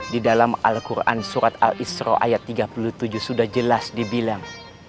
di dalam al quran surat al isra ayat tiga puluh tujuh sudah jelas dibilang